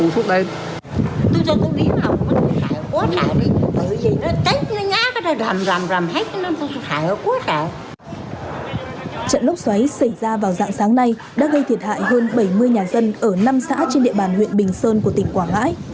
trận lốc xoáy xảy ra vào dạng sáng nay đã gây thiệt hại hơn bảy mươi nhà dân ở năm xã trên địa bàn huyện bình sơn của tỉnh quảng ngãi